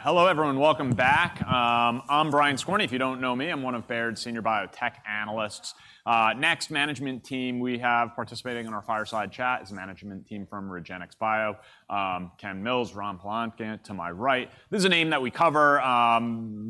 Hello everyone, welcome back. I'm Brian Skorney. If you don't know me, I'm one of Baird's senior biotech analysts. Next management team we have participating in our fireside chat is the management team from REGENXBIO. Ken Mills, Ram Palanki to my right. This is a name that we cover,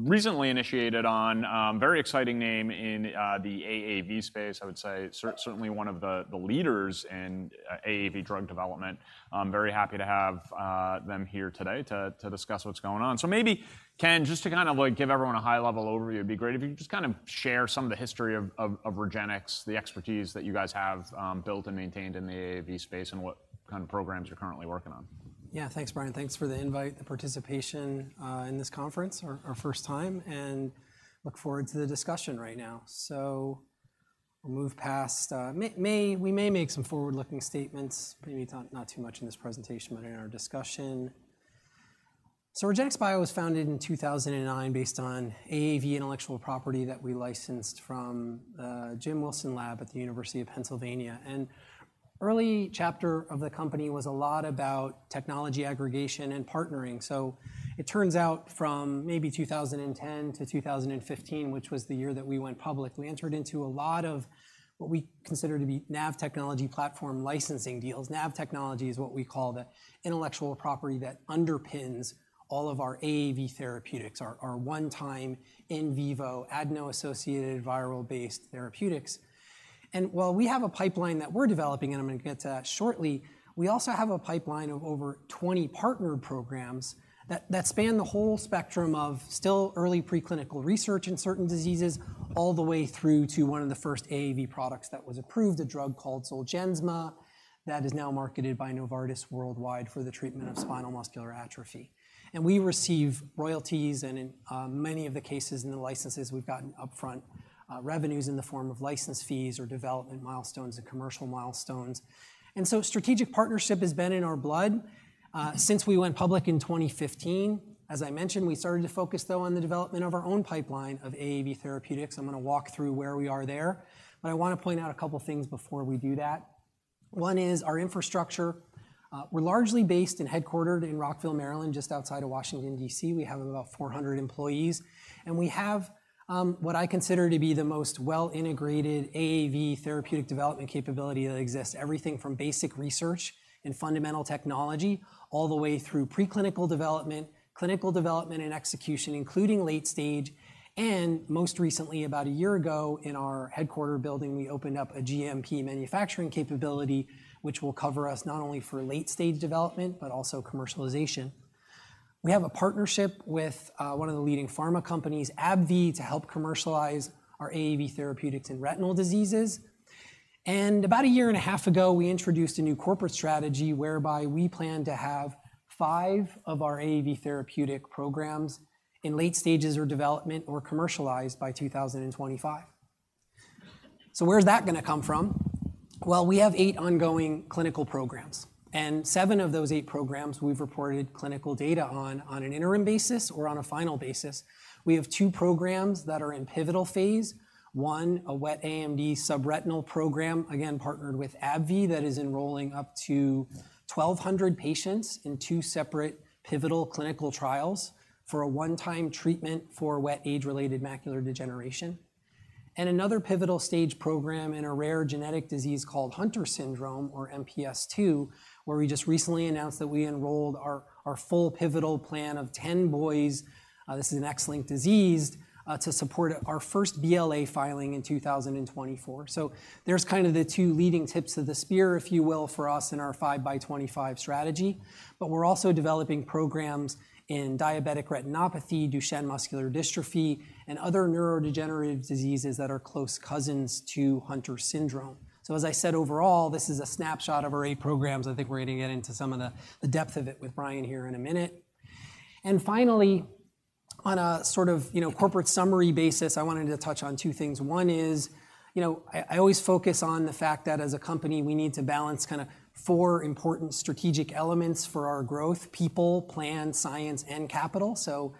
recently initiated on, very exciting name in the AAV space, I would say, certainly one of the leaders in AAV drug development. I'm very happy to have them here today to discuss what's going on. So maybe, Ken, just to kind of, like, give everyone a high-level overview, it'd be great if you could just kind of share some of the history of REGENXBIO, the expertise that you guys have built and maintained in the AAV space, and what kind of programs you're currently working on. Yeah. Thanks, Brian. Thanks for the invite, the participation in this conference, our first time, and look forward to the discussion right now. So, we'll move past. We may make some forward-looking statements, maybe not too much in this presentation, but in our discussion. So REGENXBIO was founded in 2009 based on AAV intellectual property that we licensed from Jim Wilson Lab at the University of Pennsylvania. And early chapter of the company was a lot about technology aggregation and partnering. So, it turns out, from maybe 2010 to 2015, which was the year that we went public, we entered into a lot of what we consider to be NAV technology platform licensing deals. NAV technology is what we call the intellectual property that underpins all of our AAV therapeutics, our one-time in vivo adeno-associated viral-based therapeutics. While we have a pipeline that we're developing, and I'm going to get to that shortly, we also have a pipeline of over 20 partner programs that span the whole spectrum of still early preclinical research in certain diseases, all the way through to one of the first AAV products that was approved, a drug called Zolgensma, that is now marketed by Novartis worldwide for the treatment of spinal muscular atrophy. We receive royalties, and in many of the cases, in the licenses, we've gotten upfront revenues in the form of license fees or development milestones and commercial milestones. So strategic partnership has been in our blood since we went public in 2015. As I mentioned, we started to focus, though, on the development of our own pipeline of AAV therapeutics. I'm going to walk through where we are there, but I want to point out a couple of things before we do that. One is our infrastructure. We're largely based and headquartered in Rockville, Maryland, just outside of Washington, D.C. We have about 400 employees, and we have what I consider to be the most well-integrated AAV therapeutic development capability that exists, everything from basic research and fundamental technology, all the way through preclinical development, clinical development and execution, including late stage, and most recently, about a year ago, in our headquarters building, we opened up a GMP manufacturing capability, which will cover us not only for late-stage development, but also commercialization. We have a partnership with one of the leading pharma companies, AbbVie, to help commercialize our AAV therapeutics in retinal diseases. About a year and a half ago, we introduced a new corporate strategy whereby we plan to have 5 of our AAV therapeutic programs in late stages of development or commercialized by 2025. So, where's that going to come from? Well, we have 8 ongoing clinical programs, and 7 of those 8 programs we've reported clinical data on, on an interim basis or on a final basis. We have 2 programs that are in pivotal phase. One, a wet AMD subretinal program, again, partnered with AbbVie, that is enrolling up to 1,200 patients in 2 separate pivotal clinical trials for a one-time treatment for wet age-related macular degeneration. another pivotal stage program in a rare genetic disease called Hunter syndrome, or MPS II, where we just recently announced that we enrolled our full pivotal plan of 10 boys, this is an X-linked disease, to support our first BLA filing in 2024. So, there's kind of the 2 leading tips of the spear, if you will, for us in our Five by 2025 strategy. But we're also developing programs in diabetic retinopathy, Duchenne muscular dystrophy, and other neurodegenerative diseases that are close cousins to Hunter syndrome. So, as I said, overall, this is a snapshot of our 8 programs. I think we're going to get into some of the depth of it with Brian here in a minute. And finally, on a sort of, you know, corporate summary basis, I wanted to touch on 2 things. One is, you know, I, I always focus on the fact that as a company, we need to balance kind of 4 important strategic elements for our growth: people, plan, science, and capital. So,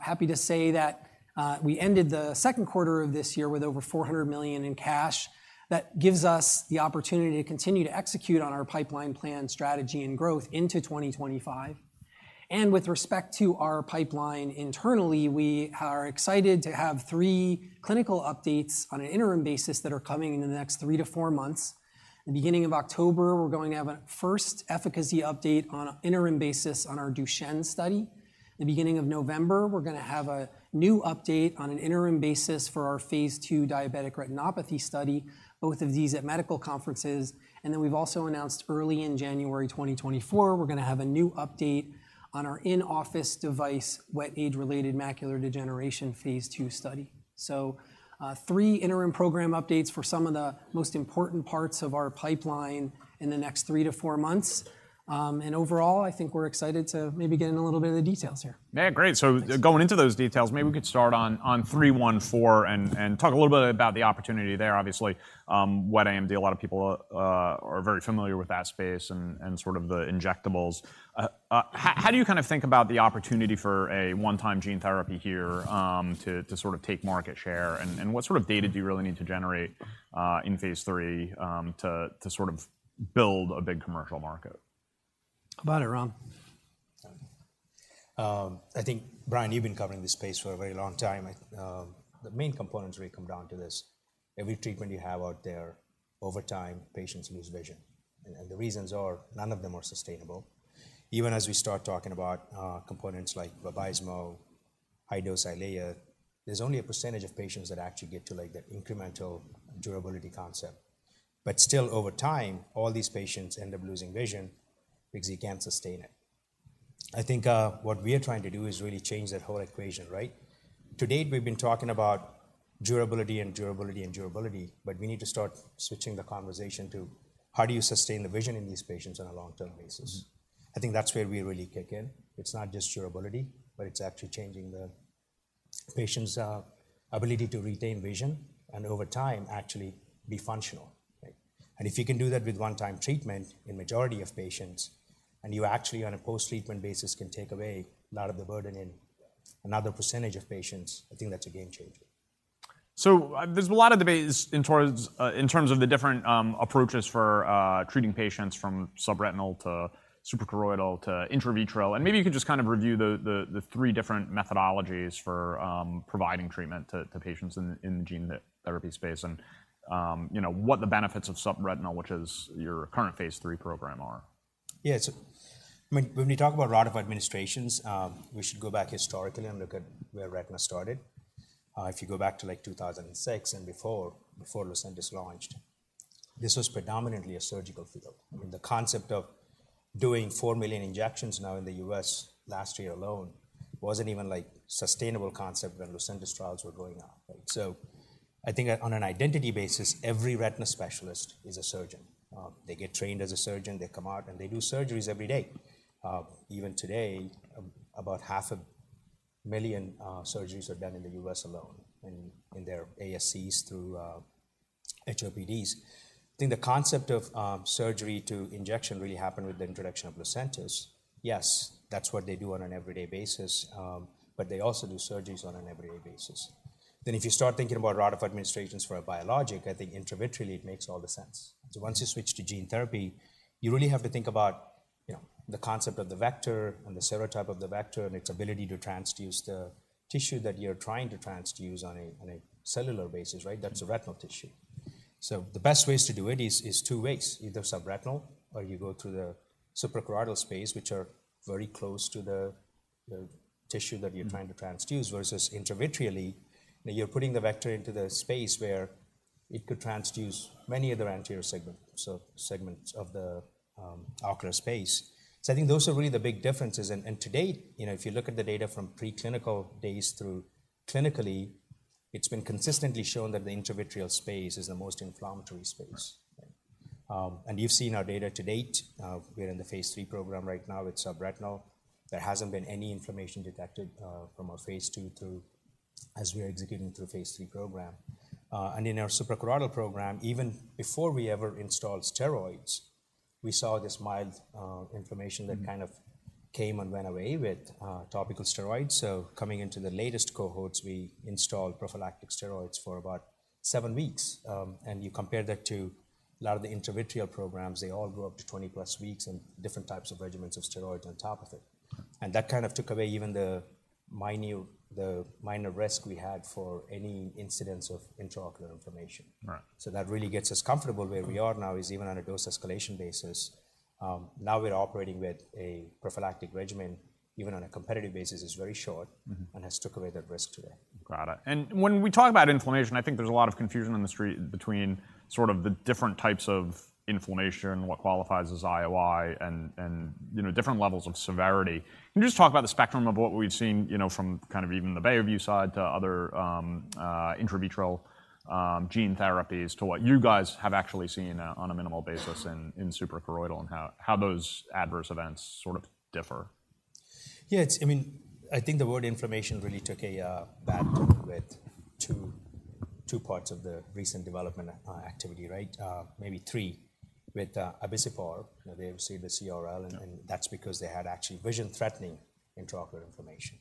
happy to say that we ended the Q2 of this year with over $400 million in cash. That gives us the opportunity to continue to execute on our pipeline plan, strategy, and growth into 2025. And with respect to our pipeline internally, we are excited to have 3 clinical updates on an interim basis that are coming in the next 3 to 4 months. The beginning of October, we're going to have a first efficacy update on an interim basis on our Duchenne study. The beginning of November, we're going to have a new update on an interim basis for our Phase II diabetic retinopathy study, both of these at medical conferences. And then we've also announced early in January 2024, we're going to have a new update on our in-office device, wet age-related macular degeneration phase II study. So, three interim program updates for some of the most important parts of our pipeline in the next three to four months. And overall, I think we're excited to maybe get in a little bit of the details here. Yeah, great. Thanks. So going into those details, maybe we could start on 314 and talk a little bit about the opportunity there. Obviously, wet AMD, a lot of people are very familiar with that space and sort of the injectables. How do you kind of think about the opportunity for a one-time gene therapy here, to sort of take market share, and what sort of data do you really need to generate in phase III, to sort of build a big commercial market? How about it, Ram? I think, Brian, you've been covering this space for a very long time. I, the main components really come down to this: every treatment you have out there, over time, patients lose vision. And the reasons are none of them are sustainable. Even as we start talking about, components like Vabysmo, high-dose Eylea, there's only a percentage of patients that actually get to, like, that incremental durability concept. But still, over time, all these patients end up losing vision because you can't sustain it. I think, what we are trying to do is really change that whole equation, right? To date, we've been talking about durability and durability, and durability, but we need to start switching the conversation to: how do you sustain the vision in these patients on a long-term basis? I think that's where we really kick in. It's not just durability, but it's actually changing the patient's ability to retain vision, and over time, actually be functional, right? And if you can do that with one-time treatment in majority of patients, and you actually, on a post-treatment basis, can take away a lot of the burden in another percentage of patients, I think that's a game changer. So, there's a lot of debates in towards in terms of the different approaches for treating patients from subretinal to suprachoroidal to intravitreal. And maybe you could just kind of review the three different methodologies for providing treatment to patients in the gene therapy space and you know what the benefits of subretinal, which is your current phase III program, are. Yeah, so I mean, when we talk about route of administrations, we should go back historically and look at where retina started. If you go back to, like, 2006 and before, before Lucentis launched, this was predominantly a surgical field. I mean, the concept of doing 4 million injections now in the U.S. last year alone, wasn't even, like, sustainable concept when Lucentis trials were going on, right? So I think on an identity basis, every retina specialist is a surgeon. They get trained as a surgeon, they come out, and they do surgeries every day. Even today, about 500,000 surgeries are done in the U.S. alone, in their ASCs through HOPDs. I think the concept of surgery to injection really happened with the introduction of Lucentis. Yes, that's what they do on an everyday basis, but they also do surgeries on an everyday basis. Then, if you start thinking about route of administrations for a biologic, I think intravitreal. It makes all the sense. So, once you switch to gene therapy, you really have to think about, you know, the concept of the vector and the serotype of the vector and its ability to transduce the tissue that you're trying to transduce on a cellular basis, right? That's a retinal tissue. So, the best ways to do it is two ways: either subretinal or you go through the suprachoroidal space, which are very close to the tissue that-... you're trying to transduce versus intravitreally. You're putting the vector into the space where it could transduce many other anterior segment, so segments of the ocular space. So, I think those are really the big differences. And to date, you know, if you look at the data from preclinical days through clinically, it's been consistently shown that the intravitreal space is the most inflammatory space. And you've seen our data to date. We're in the phase III program right now with subretinal. There hasn't been any inflammation detected from our phase II through as we are executing through phase III program. And in our suprachoroidal program, even before we ever installed steroids, we saw this mild inflammation-... that kind of came and went away with topical steroids. So, coming into the latest cohorts, we installed prophylactic steroids for about 7 weeks. And you compare that to a lot of the intravitreal programs. They all go up to 20+ weeks and different types of regimens of steroids on top of it. And that kind of took away even the minor risk we had for any incidents of intraocular inflammation. Right. So that really gets us comfortable where we are now, is even on a dose escalation basis. Now we're operating with a prophylactic regimen, even on a competitive basis, is very short-... and has took away that risk today. Got it. And when we talk about inflammation, I think there's a lot of confusion in the street between sort of the different types of inflammation, what qualifies as IOI and, you know, different levels of severity. Can you just talk about the spectrum of what we've seen, you know, from kind of even the Bayview side to other, intravitreal, gene therapies, to what you guys have actually seen on a minimal basis in, suprachoroidal, and how those adverse events sort of differ? Yeah, it's, I mean, I think the word inflammation really took a hit with two, two parts of the recent development activity, right? Maybe three. With Abicipar, they received a CRL, and- Yeah... and that's because they had actually vision-threatening intraocular inflammation.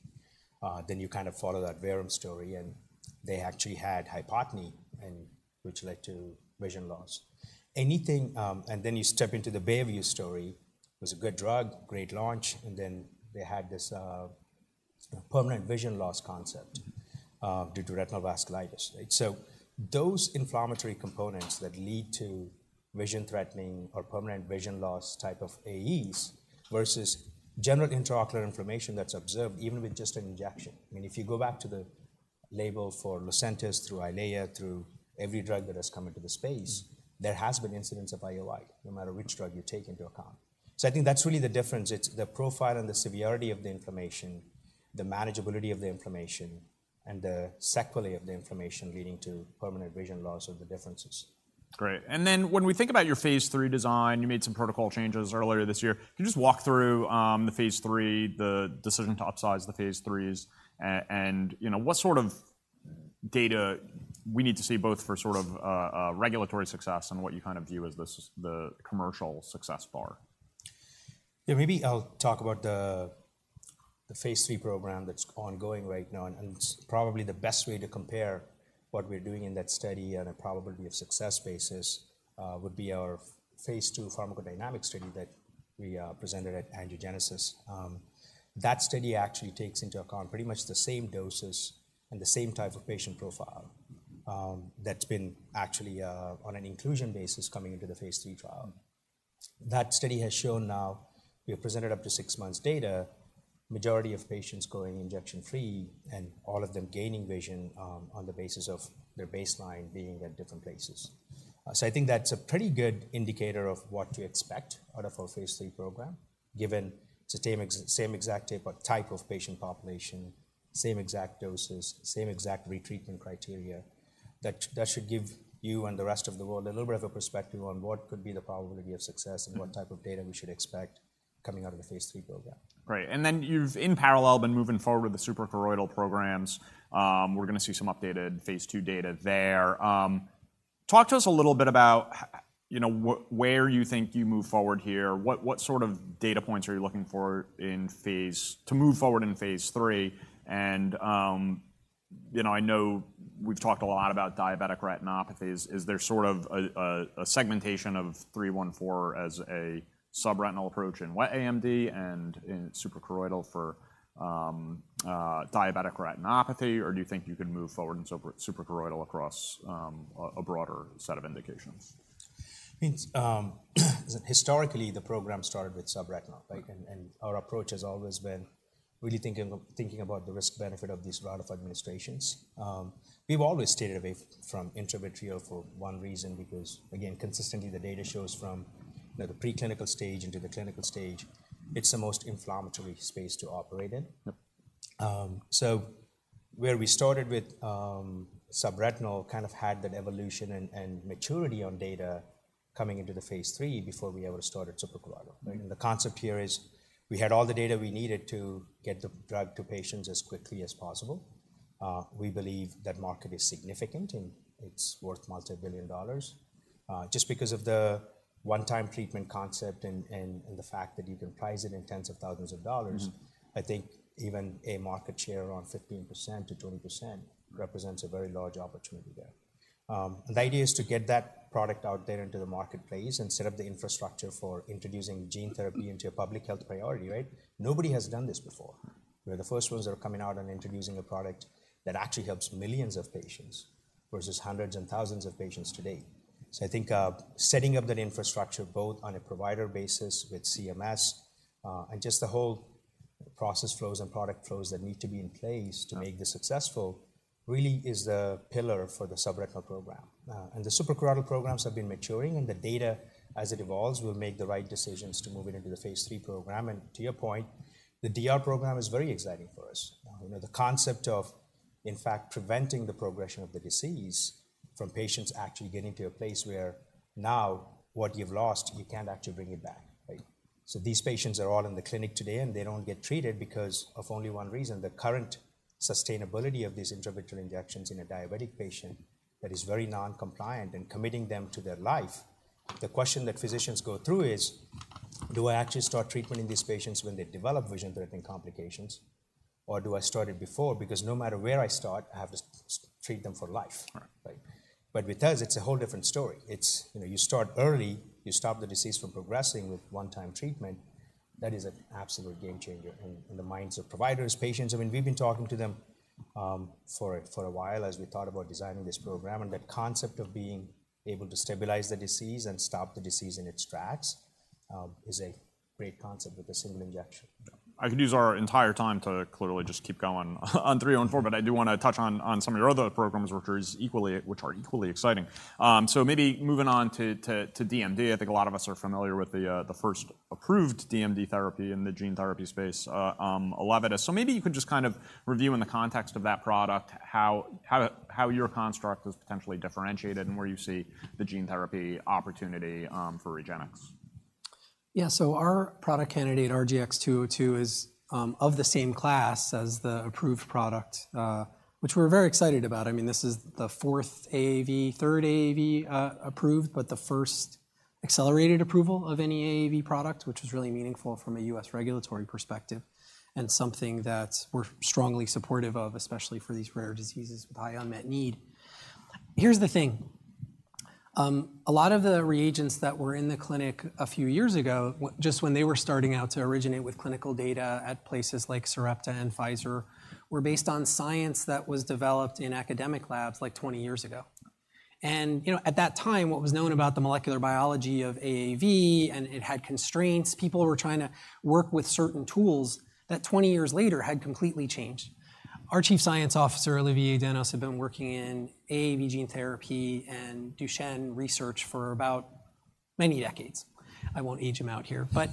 Then you kind of follow that Verum story, and they actually had hypotony and which led to vision loss. And then you step into the Bayview story, was a good drug, great launch, and then they had this permanent vision loss concept due to retinal vasculitis, right? So those inflammatory components that lead to vision-threatening or permanent vision loss type of AEs versus general intraocular inflammation that's observed even with just an injection. I mean, if you go back to the label for Lucentis through Eylea, through every drug that has come into the space-... there has been incidents of IOI, no matter which drug you take into account. So I think that's really the difference. It's the profile and the severity of the inflammation, the manageability of the inflammation, and the sequelae of the inflammation leading to permanent vision loss are the differences. Great. And then when we think about your phase III design, you made some protocol changes earlier this year. Can you just walk through the phase III, the decision to upsize the phase IIIs, and, you know, what sort of data we need to see, both for sort of regulatory success and what you kind of view as the commercial success bar? Yeah, maybe I'll talk about the phase III program that's ongoing right now, and it's probably the best way to compare what we're doing in that study on a probability of success basis would be our phase two pharmacodynamic study that we presented at Angiogenesis. That study actually takes into account pretty much the same doses and the same type of patient profile that's been actually on an inclusion basis coming into the phase III trial. That study has shown now, we have presented up to six months data, majority of patients going injection free and all of them gaining vision on the basis of their baseline being at different places. So I think that's a pretty good indicator of what to expect out of our phase III program, given it's the same exact type of patient population, same exact doses, same exact retreatment criteria. That should give you and the rest of the world a little bit of a perspective on what could be the probability of success and what type of data we should expect coming out of the phase III program. Great. And then you've, in parallel, been moving forward with the suprachoroidal programs. We're gonna see some updated phase II data there. Talk to us a little bit about you knows where you think you move forward here. What, what sort of data points are you looking for in phase II to move forward in phase III? And, you know, I know we've talked a lot about diabetic retinopathies. Is there sort of a segmentation of 314 as a subretinal approach in wet AMD and in suprachoroidal for diabetic retinopathy? Or do you think you can move forward in suprachoroidal across a broader set of indications? I mean, historically, the program started with subretinal, right? And our approach has always been really thinking about the risk-benefit of these route of administrations. We've always stayed away from intravitreal for one reason, because, again, consistently the data shows from the preclinical stage into the clinical stage, it's the most inflammatory space to operate in. So where we started with subretinal, kind of, had that evolution and maturity on data coming into the phase III before we ever started suprachoroidal. The concept here is we had all the data we needed to get the drug to patients as quickly as possible. We believe that market is significant, and it's worth $multi-billion. Just because of the one-time treatment concept and the fact that you can price it in $tens of thousands of dollars- I think even a market share around 15%-20% represents a very large opportunity there. The idea is to get that product out there into the marketplace and set up the infrastructure for introducing gene therapy into a public health priority, right? Nobody has done this before. We're the first ones that are coming out and introducing a product that actually helps millions of patients versus hundreds and thousands of patients today. So, I think setting up that infrastructure, both on a provider basis with CMS, and just the whole process flows and product flows that need to be in place to make this successful, really is the pillar for the subretinal program. And the suprachoroidal programs have been maturing, and the data, as it evolves, we'll make the right decisions to move it into the phase III program. To your point, the DR program is very exciting for us. You know, the concept of, in fact, preventing the progression of the disease from patients actually getting to a place where now what you've lost, you can't actually bring it back, right? So, these patients are all in the clinic today, and they don't get treated because of only one reason, the current sustainability of these intravitreal injections in a diabetic patient that is very non-compliant and committing them to their life. The question that physicians go through is: do I actually start treating these patients when they develop vision-threatening complications, or do I start it before? Because no matter where I start, I have to treat them for life. Right. Right. But with us, it's a whole different story. It's, you know, you start early, you stop the disease from progressing with one-time treatment. That is an absolute game changer in the minds of providers, patients. I mean, we've been talking to them for a while as we thought about designing this program, and that concept of being able to stabilize the disease and stop the disease in its tracks is a great concept with a single injection. I could use our entire time to clearly just keep going on 3 on 4, but I do wanna touch on some of your other programs, which is equally—which are equally exciting. So maybe moving on to DMD, I think a lot of us are familiar with the first approved DMD therapy in the gene therapy space, Elevidys. So maybe you could just kind of review in the context of that product, how your construct is potentially differentiated and where you see the gene therapy opportunity for REGENXBIO. Yeah, so our product candidate, RGX-202 is of the same class as the approved product, which we're very excited about. I mean, this is the fourth AAV, third AAV approved, but the first accelerated approval of any AAV product, which is really meaningful from a U.S. regulatory perspective and something that we're strongly supportive of, especially for these rare diseases with high unmet need. Here's the thing. A lot of the reagents that were in the clinic a few years ago, just when they were starting out to originate with clinical data at places like Sarepta and Pfizer, were based on science that was developed in academic labs, like 20 years ago. And, you know, at that time, what was known about the molecular biology of AAV, and it had constraints. People were trying to work with certain tools that 20 years later had completely changed. Our Chief Scientific Officer, Olivier Danos, had been working in AAV gene therapy and Duchenne research for about many decades. I won't age him out here. But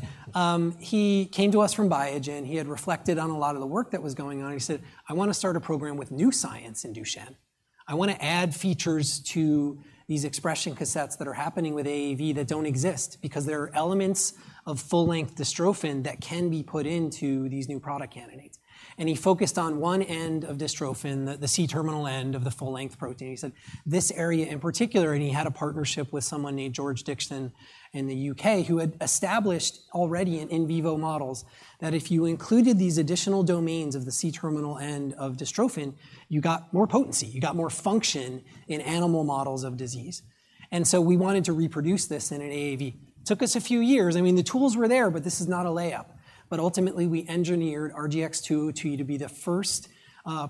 he came to us from Biogen. He had reflected on a lot of the work that was going on, and he said: "I want to start a program with new science in Duchenne. I want to add features to these expression cassettes that are happening with AAV that don't exist, because there are elements of full-length dystrophin that can be put into these new product candidates." And he focused on one end of dystrophin, the C-terminal end of the full-length protein. He said, "This area in particular..." He had a partnership with someone named George Dickson in the UK, who had established already in vivo models, that if you included these additional domains of the C-terminal end of dystrophin, you got more potency, you got more function in animal models of disease. And so, we wanted to reproduce this in an AAV. Took us a few years. I mean, the tools were there, but this is not a layup. But ultimately, we engineered RGX-202 to be the first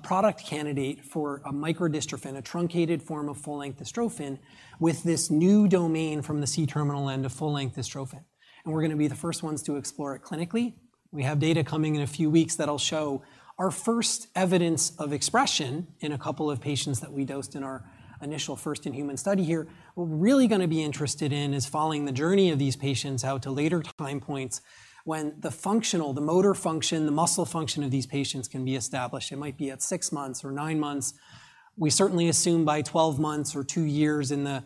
product candidate for a microdystrophin, a truncated form of full-length dystrophin, with this new domain from the C-terminal end of full-length dystrophin. And we're going to be the first ones to explore it clinically. We have data coming in a few weeks that'll show our first evidence of expression in a couple of patients that we dosed in our initial first-in-human study here. What we're really going to be interested in is following the journey of these patients out to later time points, when the functional, the motor function, the muscle function of these patients can be established. It might be at 6 months or 9 months. We certainly assume by 12 months or 2 years in the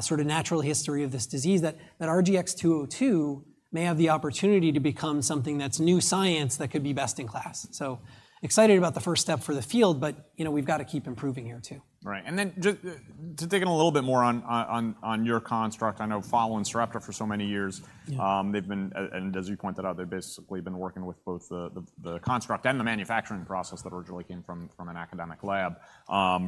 sort of natural history of this disease, that, that RGX-202 may have the opportunity to become something that's new science, that could be best in class. So excited about the first step for the field, but, you know, we've got to keep improving here, too. Right. And then just to dig in a little bit more on your construct, I know following Sarepta for so many years- Yeah. And as you pointed out, they've basically been working with both the construct and the manufacturing process that originally came from an academic lab,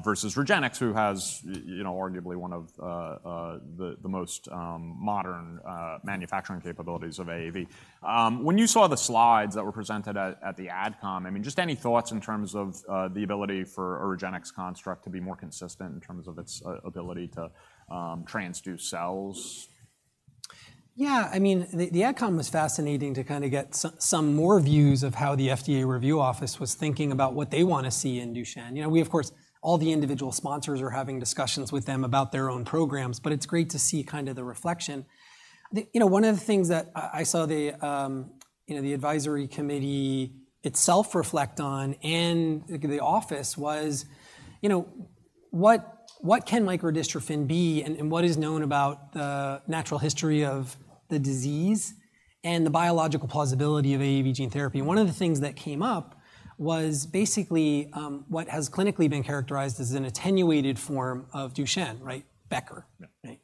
versus REGENXBIO, who has, you know, arguably one of the most modern manufacturing capabilities of AAV. When you saw the slides that were presented at the AdCom, I mean, just any thoughts in terms of the ability for a REGENXBIO construct to be more consistent in terms of its ability to transduce cells? Yeah, I mean, the AdCom was fascinating to kind of get some more views of how the FDA review office was thinking about what they want to see in Duchenne. You know, we, of course, all the individual sponsors are having discussions with them about their own programs, but it's great to see kind of the reflection. The, you know, one of the things that I saw the, you know, the advisory committee itself reflect on, and the office, was, you know, what can microdystrophin be, and what is known about the natural history of the disease and the biological plausibility of AAV gene therapy? One of the things that came up was basically, what has clinically been characterized as an attenuated form of Duchenne, right? Becker. Yeah. Right?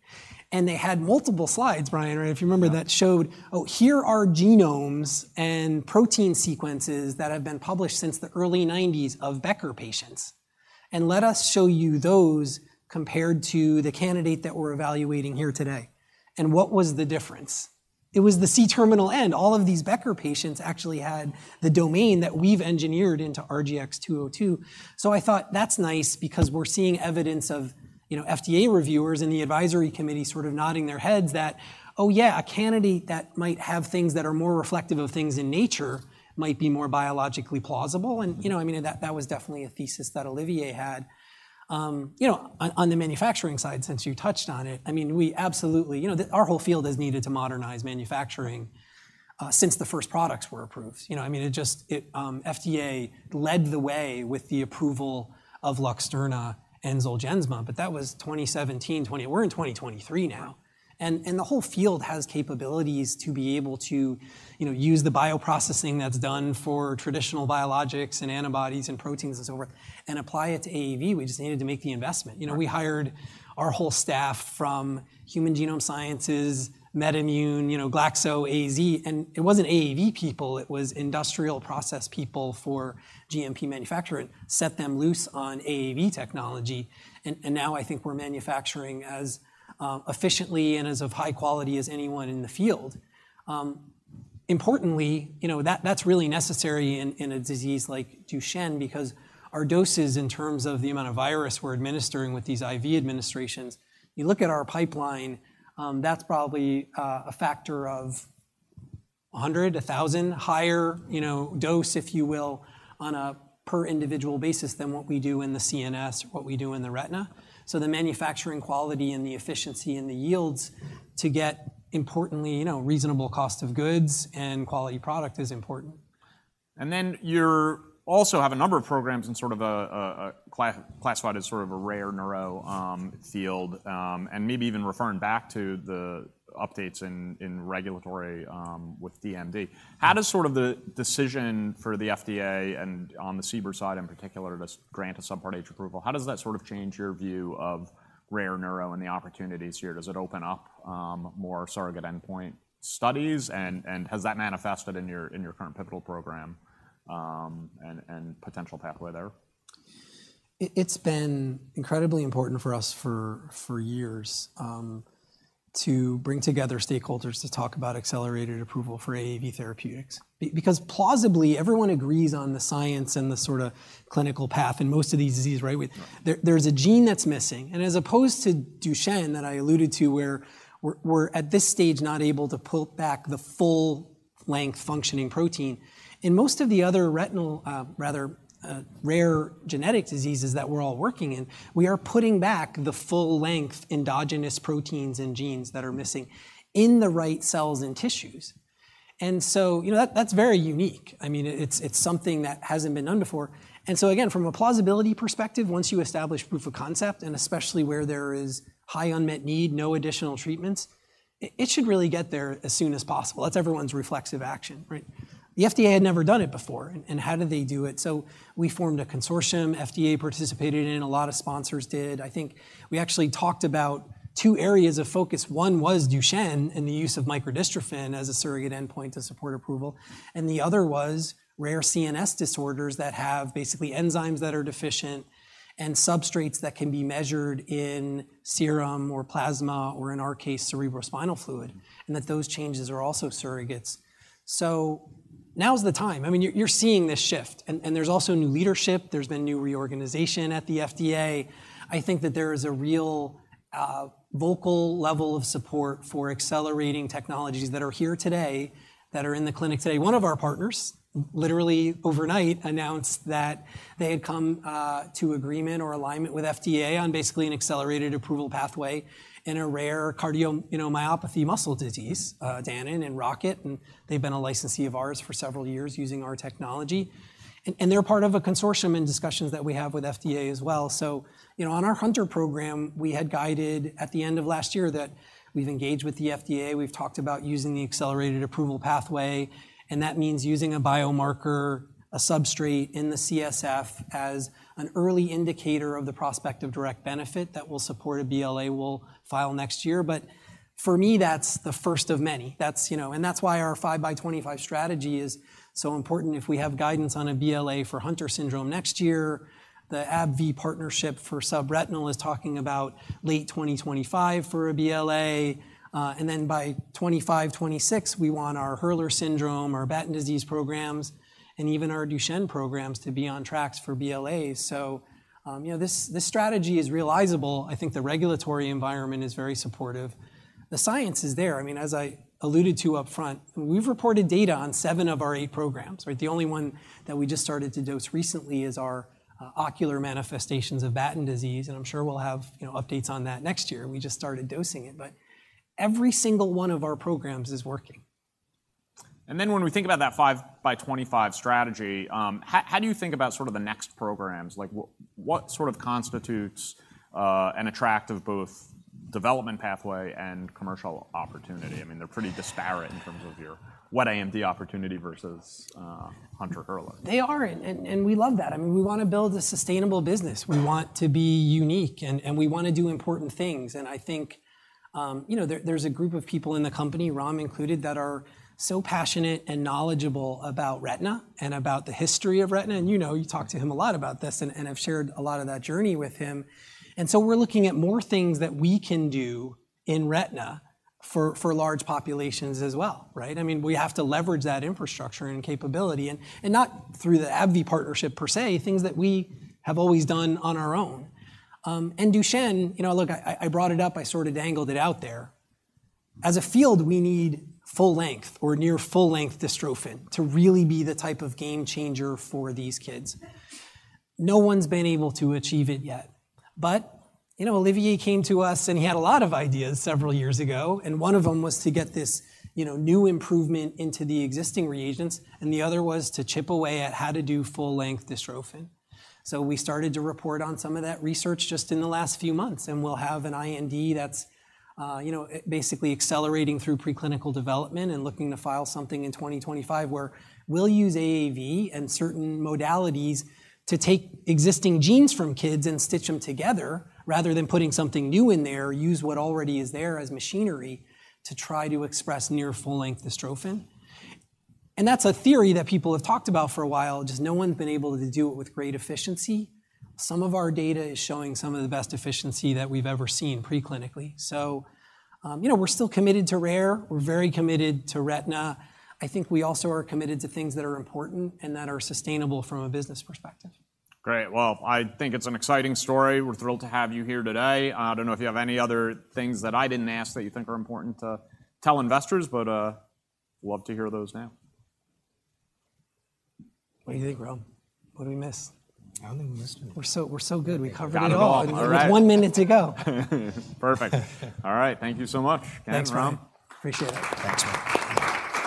And they had multiple slides, Brian, right, if you remember? Yeah... that showed, "Oh, here are genomes and protein sequences that have been published since the early 1990s of Becker patients, and let us show you those compared to the candidate that we're evaluating here today." And what was the difference? It was the C-terminal end. All of these Becker patients actually had the domain that we've engineered into RGX-202. So I thought, "That's nice, because we're seeing evidence of, you know, FDA reviewers and the advisory committee sort of nodding their heads that, 'Oh, yeah, a candidate that might have things that are more reflective of things in nature might be more biologically plausible.'" And, you know, I mean, that, that was definitely a thesis that Olivier had. You know, on, on the manufacturing side, since you touched on it, I mean, we absolutely... You know, our whole field has needed to modernize manufacturing since the first products were approved. You know, I mean, it just... FDA led the way with the approval of Luxturna and Zolgensma, but that was 2017, 20-- We're in 2023 now. Wow! The whole field has capabilities to be able to, you know, use the bioprocessing that's done for traditional biologics and antibodies and proteins and so forth, and apply it to AAV. We just needed to make the investment. Right. You know, we hired our whole staff from Human Genome Sciences, MedImmune, you know, Glaxo, AZ, and it wasn't AAV people, it was industrial process people for GMP manufacturing, set them loose on AAV technology. And now I think we're manufacturing as efficiently and as of high quality as anyone in the field. Importantly, you know, that, that's really necessary in a disease like Duchenne, because our doses, in terms of the amount of virus we're administering with these IV administrations, you look at our pipeline, that's probably a factor of 100-1,000 higher, you know, dose, if you will, on a per individual basis than what we do in the CNS, what we do in the retina. So the manufacturing quality and the efficiency and the yields to get, importantly, you know, reasonable cost of goods and quality product is important. Then you also have a number of programs in sort of a classified as sort of a rare neuro field, and maybe even referring back to the updates in regulatory with DMD. How does sort of the decision for the FDA and on the CBER side, in particular, to grant a Subpart H approval, how does that sort of change your view of rare neuro and the opportunities here? Does it open up more surrogate endpoint studies? And has that manifested in your current pivotal program, and potential pathway there? It's been incredibly important for us for years to bring together stakeholders to talk about accelerated approval for AAV therapeutics. Because plausibly, everyone agrees on the science and the sort of clinical path in most of these diseases, right? Right. There, there's a gene that's missing, and as opposed to Duchenne, that I alluded to, where we're at this stage not able to put back the full-length functioning protein, in most of the other retinal, rather, rare genetic diseases that we're all working in, we are putting back the full-length endogenous proteins and genes that are missing in the right cells and tissues. And so, you know, that’s very unique. I mean, it’s something that hasn't been done before. And so again, from a plausibility perspective, once you establish proof of concept, and especially where there is high unmet need, no additional treatments, it should really get there as soon as possible. That's everyone's reflexive action, right? The FDA had never done it before, and how did they do it? So we formed a consortium. FDA participated in, a lot of sponsors did. I think we actually talked about two areas of focus. One was Duchenne, and the use of microdystrophin as a surrogate endpoint to support approval, and the other was rare CNS disorders that have basically enzymes that are deficient and substrates that can be measured in serum or plasma, or in our case, cerebrospinal fluid, and that those changes are also surrogates. So, now's the time. I mean, you're seeing this shift, and there's also new leadership, there's been new reorganization at the FDA. I think that there is a real, vocal level of support for accelerating technologies that are here today, that are in the clinic today. One of our partners, literally overnight, announced that they had come to agreement or alignment with FDA on basically an accelerated approval pathway in a rare cardio- you know, myopathy muscle disease, Danon and Rocket, and they've been a licensee of ours for several years using our technology. And they're part of a consortium in discussions that we have with FDA as well. So, you know, on our Hunter program, we had guided at the end of last year that we've engaged with the FDA, we've talked about using the accelerated approval pathway, and that means using a biomarker, a substrate in the CSF, as an early indicator of the prospect of direct benefit that will support a BLA we'll file next year. But for me, that's the first of many. That's, you know... And that's why our 5 by 25 strategy is so important. If we have guidance on a BLA for Hunter syndrome next year, the AbbVie partnership for subretinal is talking about late 2025 for a BLA, and then by 2025, 2026, we want our Hurler syndrome, our Batten disease programs, and even our Duchenne programs to be on tracks for BLAs. So, you know, this, this strategy is realizable. I think the regulatory environment is very supportive. The science is there. I mean, as I alluded to upfront, we've reported data on seven of our eight programs, right? The only one that we just started to dose recently is our ocular manifestations of Batten disease, and I'm sure we'll have, you know, updates on that next year. We just started dosing it, but every single one of our programs is working. Then when we think about that 5 by 25 strategy, how do you think about sort of the next programs? Like, what sort of constitutes an attractive both development pathway and commercial opportunity? I mean, they're pretty disparate in terms of your wet AMD opportunity versus Hunter, Hurler. They are, and we love that. I mean, we wanna build a sustainable business. We want to be unique, and we wanna do important things. And I think, you know, there's a group of people in the company, Ram included, that are so passionate and knowledgeable about retina and about the history of retina. And, you know, you talk to him a lot about this, and I've shared a lot of that journey with him. And so we're looking at more things that we can do in retina for large populations as well, right? I mean, we have to leverage that infrastructure and capability and not through the AbbVie partnership per se, things that we have always done on our own. And Duchenne, you know, look, I brought it up, I sort of dangled it out there. As a field, we need full-length or near full-length Dystrophin to really be the type of game changer for these kids. No one's been able to achieve it yet, but, you know, Olivier came to us, and he had a lot of ideas several years ago, and one of them was to get this, you know, new improvement into the existing reagents, and the other was to chip away at how to do full-length Dystrophin. So we started to report on some of that research just in the last few months, and we'll have an IND that's, you know, basically accelerating through preclinical development and looking to file something in 2025, where we'll use AAV and certain modalities to take existing genes from kids and stitch them together, rather than putting something new in there, use what already is there as machinery to try to express near full-length Dystrophin. And that's a theory that people have talked about for a while, just no one's been able to do it with great efficiency. Some of our data is showing some of the best efficiency that we've ever seen preclinically. So, you know, we're still committed to rare, we're very committed to retina. I think we also are committed to things that are important and that are sustainable from a business perspective. Great! Well, I think it's an exciting story. We're thrilled to have you here today. I don't know if you have any other things that I didn't ask that you think are important to tell investors, but, love to hear those now. What do you think, Ram? What did we miss? I don't think we missed anything. We're so-- We're so good. We covered it all. Got it all. There's one minute to go. Perfect. All right. Thank you so much. Thanks, Ram. Appreciate it. Thanks, Ram.